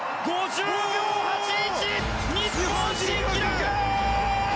５０秒８１、日本新記録！